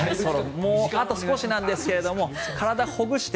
もうあと少しなんですが体をほぐして。